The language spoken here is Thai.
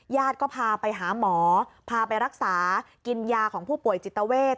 ญาติก็พาไปหาหมอพาไปรักษากินยาของผู้ป่วยจิตเวท